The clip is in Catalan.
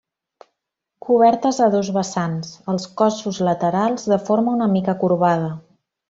Cobertes a dos vessants, els cossos laterals de forma una mica corbada.